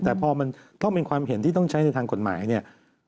แต่พอมันต้องเป็นความเห็นที่ต้องใช้ในทางกฎหมายเนี่ย